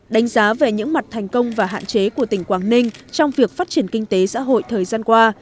đánh giá về những mặt thành công và hạn chế của tỉnh quảng ninh trong việc phát triển kinh tế xã hội thời gian qua